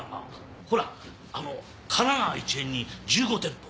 ほらあの神奈川一円に１５店舗。